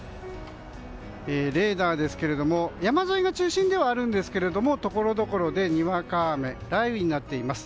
レーダーですけれども山沿いが中心ですがところどころでにわか雨雷雨になっています。